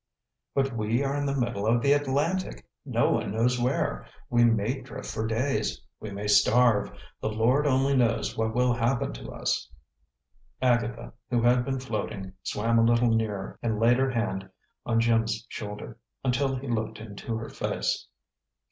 "But we are in the middle of the Atlantic, no one knows where. We may drift for days we may starve the Lord only knows what will happen to us!" Agatha, who had been floating, swam a little nearer and laid her hand on Jim's shoulder, until he looked into her face.